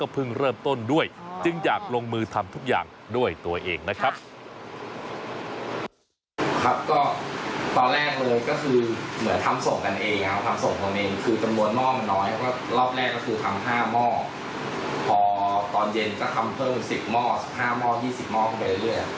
แล้วรอบแรกก็คือทำ๕ม่อตอนเย็นก็ทำเพิ่ม๑๐ม่อ๑๕ม่อ๒๐ม่อเข้าไปเรื่อย